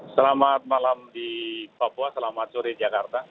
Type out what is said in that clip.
selamat malam di papua selamat sore jakarta